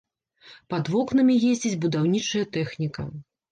Пад вокнамі ездзіць будаўнічая тэхніка.